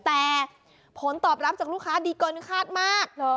แต่ผลตอบรับจากลูกค้าดีเกินคาดมาก